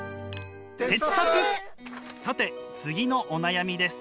さて次のお悩みです。